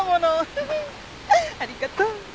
ありがとう。